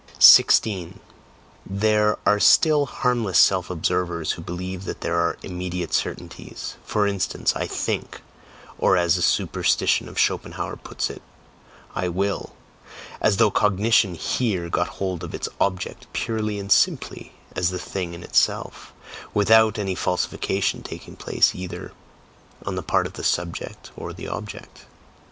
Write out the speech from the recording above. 16. There are still harmless self observers who believe that there are "immediate certainties"; for instance, "I think," or as the superstition of Schopenhauer puts it, "I will"; as though cognition here got hold of its object purely and simply as "the thing in itself," without any falsification taking place either on the part of the subject or the object.